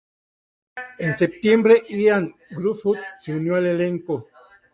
En septiembre, Ioan Gruffudd se unió al elenco.